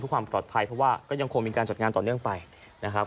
ความปลอดภัยเพราะว่าก็ยังคงมีการจัดงานต่อเนื่องไปนะครับ